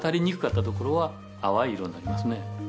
にくかったところは淡い色になりますね